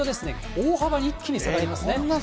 大幅に一気に下がりますね。